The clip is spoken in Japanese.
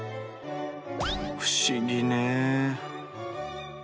不思議ね。